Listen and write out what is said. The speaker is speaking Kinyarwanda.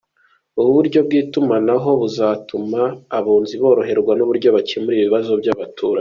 Ubu buryo bw’itumanaho buzatuma abunzi boroherwa n’uburyo bakemura ibibazo by’abaturage.